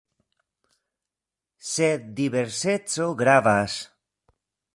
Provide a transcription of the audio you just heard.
Sed diverseco gravas.